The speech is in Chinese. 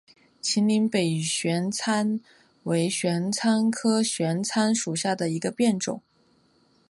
秦岭北玄参为玄参科玄参属下的一个变种。